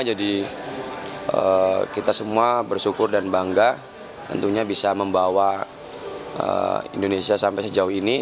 jadi kita semua bersyukur dan bangga tentunya bisa membawa indonesia sampai sejauh ini